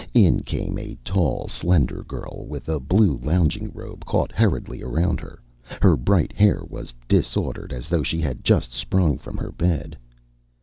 In came a tall, slender girl with a blue lounging robe caught hurriedly around her. Her bright hair was disordered as though she had just sprung from her bed.